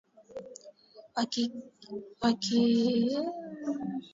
Wakijiweka vizuri kupata kituo cha uwekezaji mkubwa wa mtaji wa fedha za kigeni.